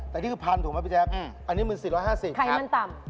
แต่นี่คือพันถูกไหมพี่แจ๊คอันนี้มัน๔๕๐ไรมันต่ำ